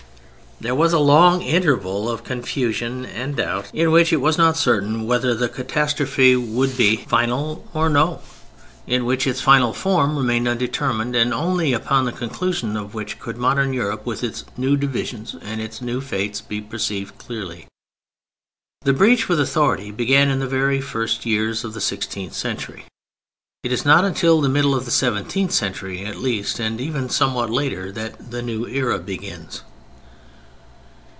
There was a long interval of confusion and doubt, in which it was not certain whether the catastrophe would be final or no, in which its final form remained undetermined, and only upon the conclusion of which could modern Europe with its new divisions, and its new fates, be perceived clearly. The breach with authority began in the very first years of the sixteenth century. It is not till the middle of the seventeenth century at least, and even somewhat later, that the new era begins.